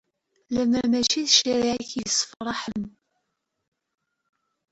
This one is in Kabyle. Lemmer mačči d ccariɛa-k i iyi-issefraḥen.